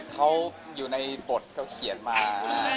เขาอยู่ในบทเขาเขียนมา